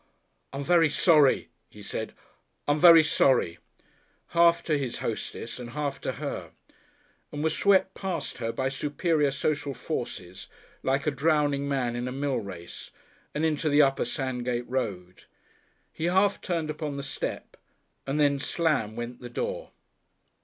"I'm very sorry," he said; "I'm very sorry," half to his hostess and half to her, and was swept past her by superior social forces like a drowning man in a mill race and into the Upper Sandgate Road. He half turned upon the step, and then slam went the door....